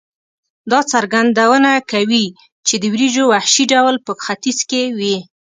دا څرګندونه کوي چې د وریجو وحشي ډول په ختیځ کې وې.